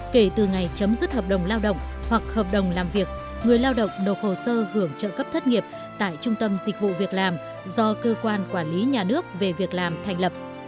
kể từ ngày chấm dứt hợp đồng lao động hoặc hợp đồng làm việc người lao động nộp hồ sơ hưởng trợ cấp thất nghiệp tại trung tâm dịch vụ việc làm do cơ quan quản lý nhà nước về việc làm thành lập